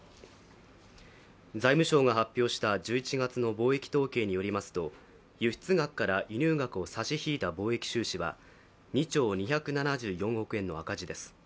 財務省が発表した１１月の貿易統計によりますと輸出額から輸入額を差し引いた貿易収支は２兆２７４億円の赤字です。